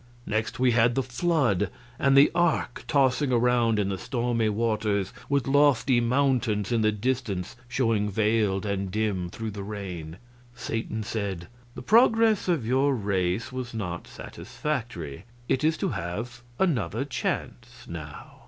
Next we had the Flood, and the Ark tossing around in the stormy waters, with lofty mountains in the distance showing veiled and dim through the rain. Satan said: "The progress of your race was not satisfactory. It is to have another chance now."